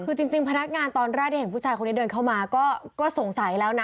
คือจริงพนักงานตอนแรกที่เห็นผู้ชายคนนี้เดินเข้ามาก็สงสัยแล้วนะ